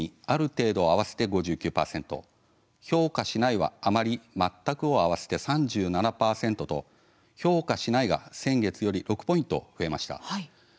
「ある程度」を合わせて５９％「評価しない」は「あまり」「全く」を合わせて３７％と「評価しない」が先月より６ポイント増えました。